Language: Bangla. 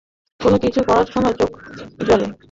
কোনো কিছু পড়ার সময় চোখ জ্বলে।